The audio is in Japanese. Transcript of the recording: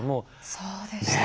そうでした。